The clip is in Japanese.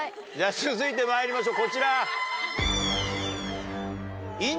続いてまいりましょうこちら。